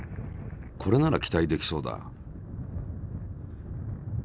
これなら期待できそうだ。